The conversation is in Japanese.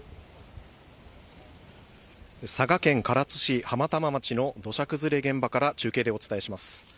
佐賀県唐津市の土砂崩れの現場から中継でお伝えします。